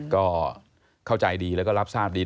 ก็เข้าใจดีแล้วก็รับทราบดี